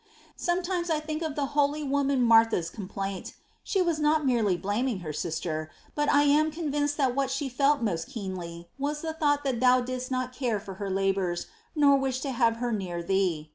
, 2. Sometimes I think of the holy woman Martha's complaint ; she was not merely blaming her sister, but I am convinced that what she felt most keenly was the thought that Thou didst not care for her labours, nor wish to have her near Thee.